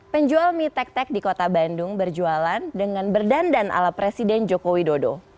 penjual mie tek tek di kota bandung berjualan dengan berdandan ala presiden joko widodo